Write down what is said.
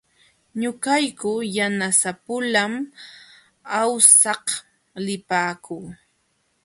Ñuqayku yanasapulam awsaq lipaakuu.